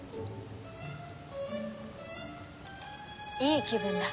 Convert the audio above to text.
いい気分だ。